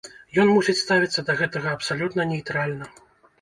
Ён мусіць ставіцца да гэтага абсалютна нейтральна.